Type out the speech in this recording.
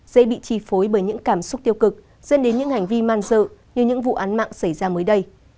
dễ bị chi phối bởi những cảm xúc tiêu cực dẫn đến những hành vi man dự như những vụ án mạng xảy ra mới đây